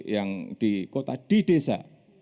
yang di kota di desa